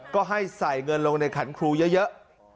ก็ให้ใส่เงินลงในขันครูเยอะ